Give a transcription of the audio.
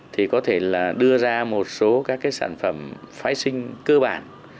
thì có thể là đưa ra một số các cái sản phẩm phái sinh cơ bản